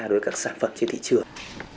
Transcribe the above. đối với các sản phẩm trên thị trường